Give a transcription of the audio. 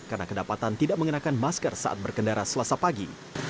karena kedapatan tidak mengenakan masker saat berkendara selasa pagi